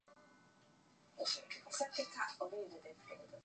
與女權有關的事